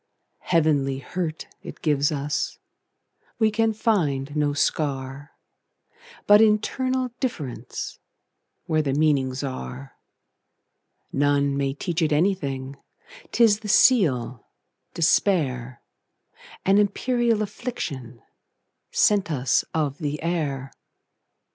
Heavenly hurt it gives us; We can find no scar, But internal differenceWhere the meanings are. None may teach it anything,'T is the seal, despair,—An imperial afflictionSent us of the air.